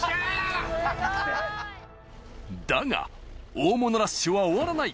だが大物ラッシュは終わらない